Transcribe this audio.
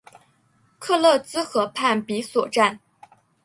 克勒兹河畔比索站。